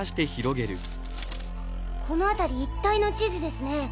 このあたり一帯の地図ですね。